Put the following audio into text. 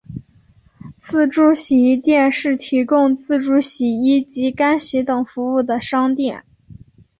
自助洗衣店是提供自助洗衣及干衣等服务的商店。